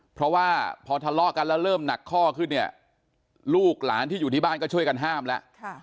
เพราะว่าพอทะเลาะกันแล้วเริ่มหนักข้อขึ้นเนี่ยลูกหลานที่อยู่ที่บ้านก็ช่วยกันห้ามแล้ว